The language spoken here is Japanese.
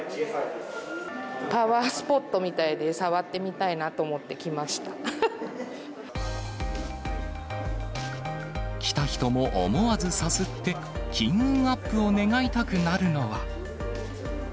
パワースポットみたいで、来た人も思わずさすって、金運アップを願いたくなるのは。